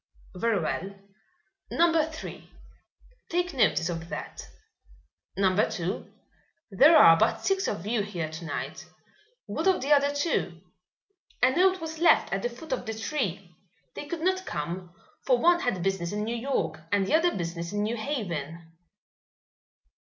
"Very well; Number Three, take notice of that. Number Two, there are but six of you here to night. What of the other two?" "A note was left at the foot of the tree. They could not come, for one had business in New York and the other business in New Haven."